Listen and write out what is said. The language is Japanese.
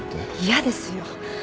嫌ですよ。